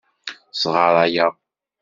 Sɣaṛayeɣ.